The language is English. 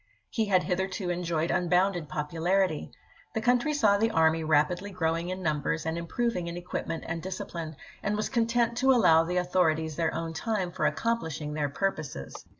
He had hitherto enjoyed unbounded popularity. The country saw the army rapidly growing in numbers and improving in equipment and discipline, and was content to allow the au thorities their own time for accomphshing their purposes.